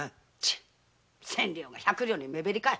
千両が百両に目減りかい。